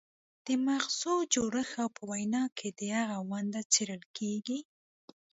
د مغزو جوړښت او په وینا کې د هغې ونډه څیړل کیږي